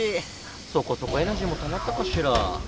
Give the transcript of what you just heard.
そこそこエナジーもたまったかしら？